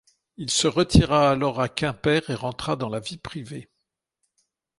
Il se retira alors à Quimper et rentra dans la vie privée.